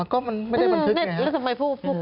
ก็มันไม่ได้บันทึกไงครับ